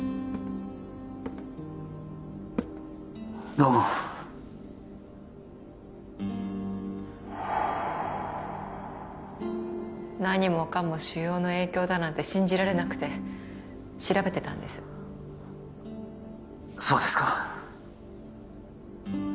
どうも何もかも腫瘍の影響だなんて信じられなくて調べてたんですそうですか